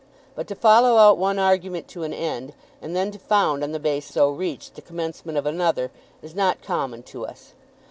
But to follow out one argument to an end, and then to found on the base so reached the commencement of another, is not common to us.